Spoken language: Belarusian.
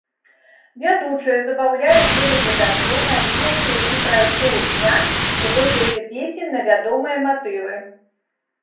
Вядучыя забаўляюць тэлегледачоў навінамі які прайшоў дня ў выглядзе песень на вядомыя матывы.